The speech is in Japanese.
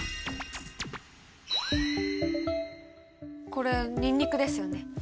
これニンニクですよね。